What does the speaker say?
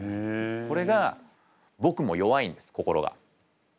これが僕も弱いんです心が。